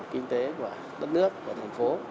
kinh tế của đất nước của tp